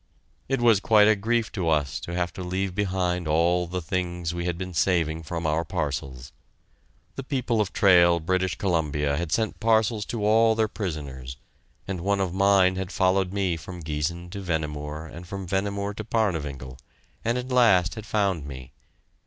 It was quite a grief to us to have to leave behind us all the things we had been saving from our parcels. The people of Trail, British Columbia, had sent parcels to all their prisoners, and one of mine had followed me from Giessen to Vehnemoor and from Vehnemoor to Parnewinkel, and at last had found me.